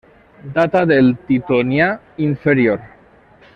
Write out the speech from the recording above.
Data del Titonià inferior.